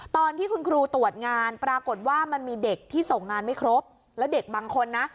ตอนที่คุณครูตรวจงานปรากฏว่ามันมีเด็กที่ส่งงานไม่ครบแล้วเด็กบางคนนะ